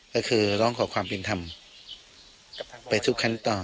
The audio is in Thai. ก็คือร้องขอความเป็นธรรมไปทุกขั้นตอน